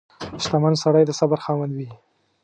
• شتمن سړی د صبر خاوند وي.